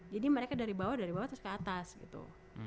jadi mereka dari bawah dari bawah terus ke atas gitu